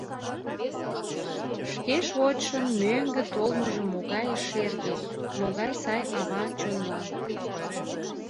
Шке шочшын мӧҥгӧ толмыжо могае шерге, могае сай ава чонлан!